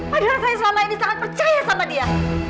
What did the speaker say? padahal saya selama ini sangat percaya sama dia